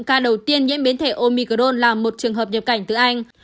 ca đầu tiên nhiễm biến thể omicron là một trường hợp nhập cảnh từ anh